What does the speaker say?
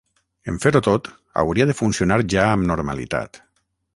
En fer-ho tot hauria de funcionar ja amb normalitat.